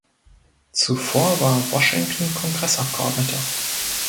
Zuvor war Washington Kongressabgeordneter.